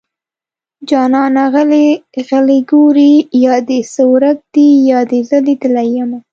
جانانه غلی غلی ګورې يا دې څه ورک دي يا دې زه ليدلې يمه